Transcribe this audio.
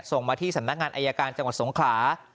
ส่งมาที่สำนักงานอายการจังหวัดสงขลา